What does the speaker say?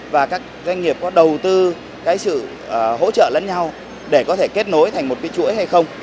và các doanh nghiệp có đầu tư sự hỗ trợ lẫn nhau để có thể kết nối thành một cái chuỗi hay không